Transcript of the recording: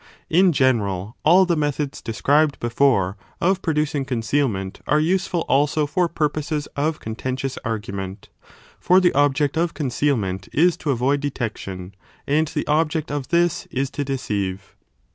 In general, all the methods described before 2 of producing concealment are useful also for purposes of contentious argument : for the object of concealment is to avoid detection, and the object of this is to deceive.